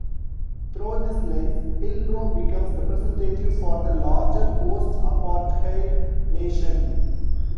Through this lens, Hillbrow becomes representative for the larger post-apartheid nation.